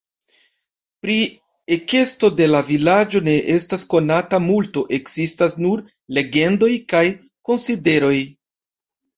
Pri ekesto de la vilaĝo ne estas konata multo, ekzistas nur legendoj kaj konsideroj.